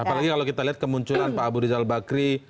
apalagi kalau kita lihat kemunculan pak abu rizal bakri